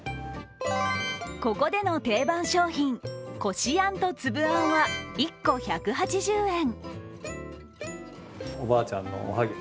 ここでの定番商品、こしあんとつぶあんは１個１８０円。